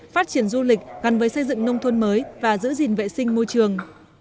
phát triển du lịch gắn với xây dựng nông thôn mới và giữ gìn vệ sinh môi trường